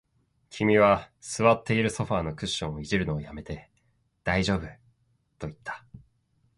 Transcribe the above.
君は座っているソファーのクッションを弄るのを止めて、大丈夫と言った